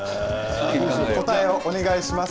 答えをお願いします。